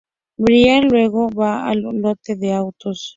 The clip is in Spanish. Brian luego va al lote de autos.